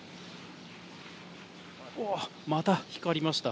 うわっ、また光りました。